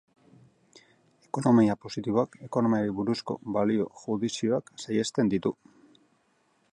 Ekonomia positiboak ekonomiari buruzko balio-judizioak saihesten ditu.